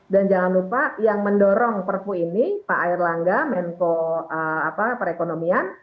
dan jangan lupa yang mendorong perpu ini pak air langga mento perekonomian